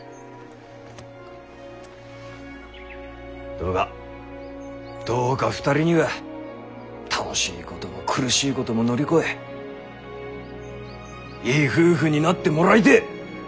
どうかどうか２人には楽しいことも苦しいことも乗り越えいい夫婦になってもらいてぇ。